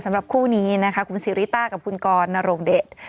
สำหรับคู่นี้นะคะคุณซีริต้ากับคุณกรนโรงเดช